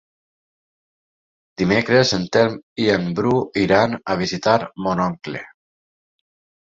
Dimecres en Telm i en Bru iran a visitar mon oncle.